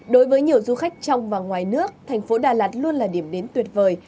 đối với nhiều du khách trong và ngoài nước thành phố đà lạt luôn là điểm đến tuyệt vời